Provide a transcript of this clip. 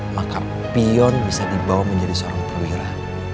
maka pion bisa dibawa menjadi seorang perwira